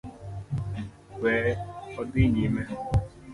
We odhi nyime